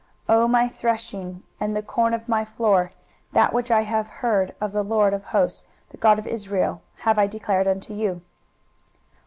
23:021:010 O my threshing, and the corn of my floor: that which I have heard of the LORD of hosts, the God of Israel, have I declared unto you.